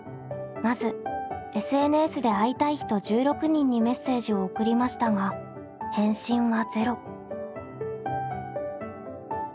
まずＳＮＳで会いたい人１６人にメッセージを送りましたが返信は０。